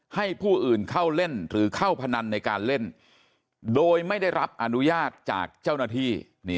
ให้ผู้อื่นเข้าเล่นหรือเข้าพนันในการเล่นโดยไม่ได้รับอนุญาตจากเจ้าหน้าที่